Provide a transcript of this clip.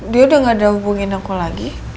dia udah gak ada hubungin aku lagi